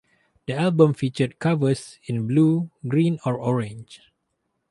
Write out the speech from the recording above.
The album featured covers in blue, green, or orange.